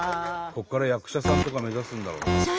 ここから役者さんとか目指すんだろうな。